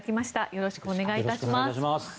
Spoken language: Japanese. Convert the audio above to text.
よろしくお願いします。